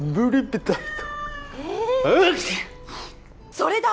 それだ！